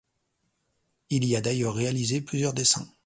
Il y a d'ailleurs réalisé plusieurs dessins.